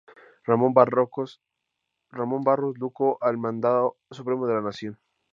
Ramón Barros Luco al mando supremo de la Nación.